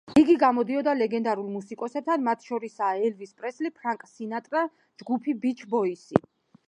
იგი გამოდიოდა ლეგენდარულ მუსიკოსებთან, მათ შორისაა ელვის პრესლი, ფრენკ სინატრა, ჯგუფი ბიჩ ბოისი.